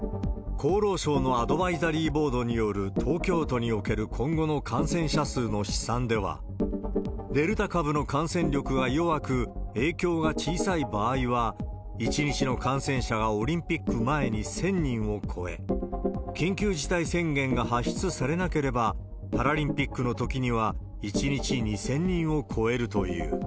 厚労省のアドバイザリーボードによる東京都における今後の感染者数の試算では、デルタ株の感染力が弱く、影響が小さい場合は、１日の感染者がオリンピック前に１０００人を超え、緊急事態宣言が発出されなければ、パラリンピックのときには１日２０００人を超えるという。